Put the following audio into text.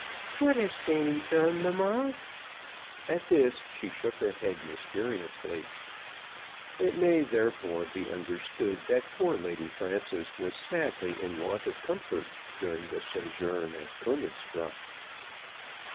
"What has Fanny done, mamma?" At this she shook her head mysteriously. It may, therefore, be understood that poor Lady Frances was sadly in want of comfort during the sojourn at Königsgraaf.